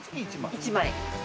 １枚。